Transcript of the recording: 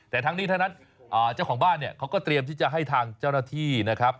แต่ทั้งนี้ทั้งนั้นเจ้าของบ้านเนี่ยเขาก็เตรียมที่จะให้ทางเจ้าหน้าที่นะครับ